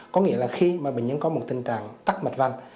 có nghĩa là khi mà bệnh nhân có một tình trạng tắc mặt văn